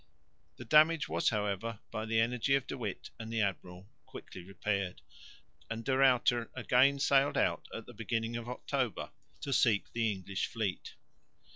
The damage was however by the energy of De Witt and the admiral quickly repaired; and De Ruyter again sailed out at the beginning of October to seek the English fleet.